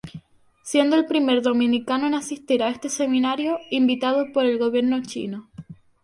Siendo el primer dominicano en asistir a este seminario invitado por el gobierno chino.